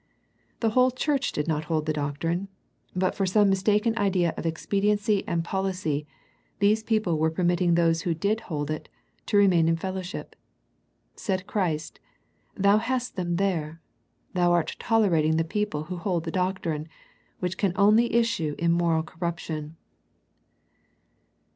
The whole church did I02 A First Century Message not hold the doctrine, but for some mistaken idea of expediency and poHcy, these people were permitting those who did hold it, to re main in fellowship. Said Christ, Thou hast them there. Thou art tolerating the people who hold the doctrine, which can only issue in moral corruption.